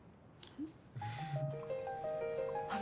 うん。